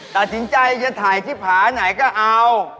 แต่จีนใจจะถ่ายที่ผ่าไหนก็เอา